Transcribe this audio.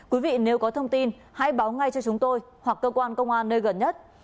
quý vị nếu có thông tin hãy báo ngay cho chúng tôi hoặc cơ quan công an nơi gần nhất